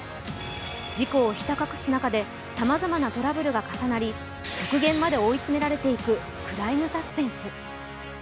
事故をひた隠す中で、さまざまなトラブルが重なり極限まで追い詰められていくクライムサスペンス。